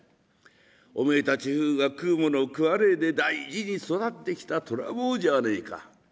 おめえたち夫婦が食う物食わねえで大事に育ててきた虎坊じゃねえか。